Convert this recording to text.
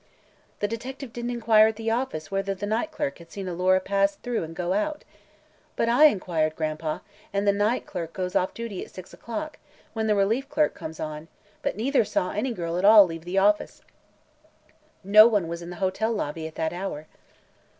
"The detective didn't inquire at the office whether the night clerk had seen Alora pass through and go out. But I inquired, Gran'pa, and the night clerk goes off duty at six o'clock, when the relief clerk comes on, but neither saw any girl at all leave the office. No one was in the hotel lobby, at that hour."